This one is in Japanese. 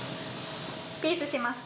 ピースしますか。